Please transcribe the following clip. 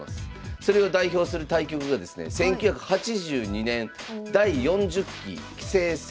それを代表する対局がですね１９８２年第４０期棋聖戦